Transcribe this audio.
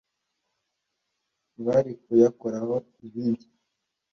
Bari kuyakoraho ibindi.